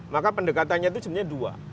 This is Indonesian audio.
maka pendekatannya itu sebenarnya dua